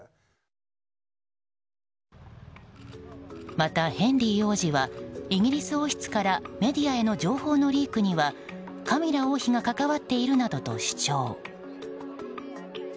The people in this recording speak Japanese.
また、ヘンリー王子はイギリス王室からメディアへの情報のリークにはカミラ王妃が関わっているなどと主張。